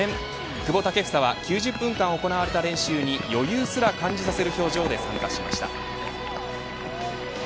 久保建英は９０分間行われた練習に余裕すら感じさせる表情で参加しました。